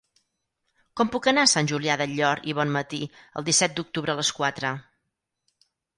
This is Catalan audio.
Com puc anar a Sant Julià del Llor i Bonmatí el disset d'octubre a les quatre?